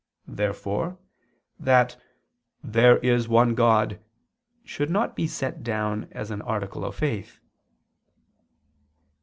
Therefore that "there is one God" should not be set down as an article of faith.